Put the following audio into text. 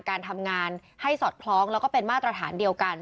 การทำงานให้สอดคล้องแล้วก็เป็นมาตรฐานเดียวกัน